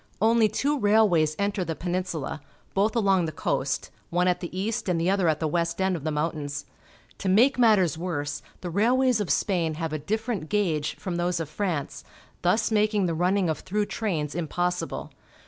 Only two railways enter the Peninsula, both along the coast, one at the east and the other at the west end of the mountains. To make matters worse, the railways of Spain have a ditierent gauge from those of France, thus making the running of through trains impossible.